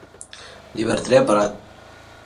He accomplished this feat against the San Diego Padres.